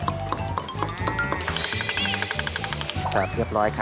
สับเรียบร้อยครับเรียบร้อยนะคะ